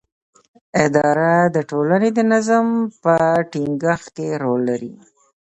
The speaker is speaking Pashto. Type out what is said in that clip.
اداره د ټولنې د نظم په ټینګښت کې رول لري.